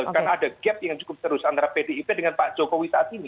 karena ada gap yang cukup terus antara pdip dengan pak jokowi saat ini